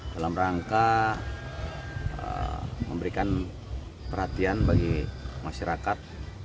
dalam rangka memberikan perhatian bagi masyarakat